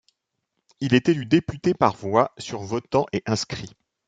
Il est élu député par voix sur votants et inscrits.